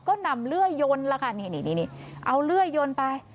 ก็นำเลื่อยยนแล้วค่ะนี่เอาเลื่อยยนไป